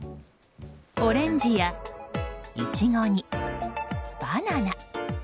オレンジや、イチゴにバナナ。